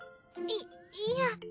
いいや。